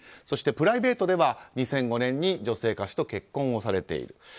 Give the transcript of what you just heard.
そしてプライベートでは２００５年に女性歌手と結婚をされている。